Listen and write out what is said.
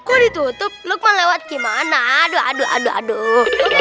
aduh aduh aduh